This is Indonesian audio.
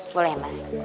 boleh ya mas